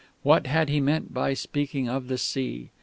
What had he meant by speaking of the sea?...